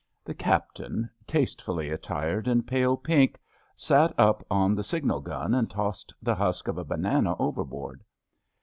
The Captain, tastefully attired in pale pink, sat up on the signal gun and tossed the husk of a banana overboard.